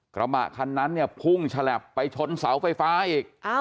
กระบะคันนั้นเนี่ยพุ่งฉลับไปชนเสาไฟฟ้าอีก